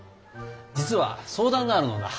実は相談があるのだ。